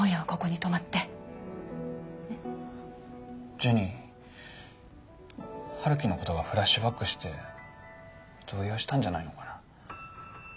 ジュニ陽樹のことがフラッシュバックして動揺したんじゃないのかな。